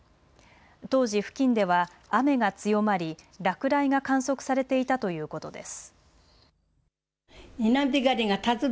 当時、付近では雨が強まり落雷が観測されていたということです。